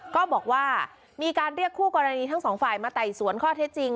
ก็บอกว่ามีการเรียกคู่กรณีทั้งสองฝ่ายมาไต่สวนข้อเท็จจริง